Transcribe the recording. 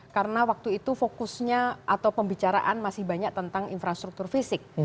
karena waktu itu fokusnya atau pembicaraan masih banyak tentang infrastruktur fisik